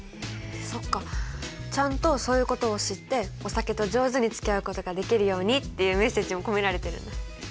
そっかちゃんとそういうことを知ってお酒と上手につきあうことができるようにっていうメッセージも込められているんだ。